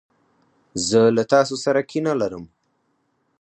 زه له تاسو سره کینه لرم.